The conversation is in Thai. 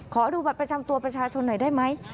ขอดูบัตรประจำตัวประชาชนหน่อยได้ไหม